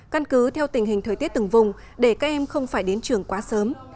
căn cứ theo tình hình thời tiết từng vùng để các em không phải đến trường quá sớm